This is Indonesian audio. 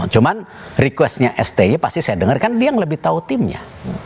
cuman requestnya sti pasti saya dengar kan dia yang lebih tahu timnya